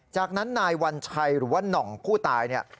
จากนั้นนายวัญชัยหรือว่าน่องผู้ตายเนี่ย